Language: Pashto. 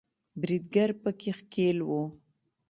بریدګر په کې ښکیل وو